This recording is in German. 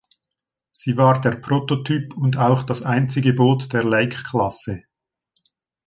Sie war der Prototyp und auch das einzige Boot der "Lake-Klasse".